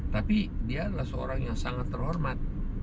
tapi dia adalah seorang yang sangat terhormat